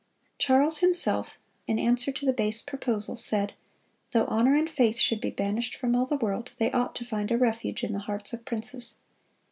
Charles himself, in answer to the base proposal, said, "Though honor and faith should be banished from all the world, they ought to find a refuge in the hearts of princes."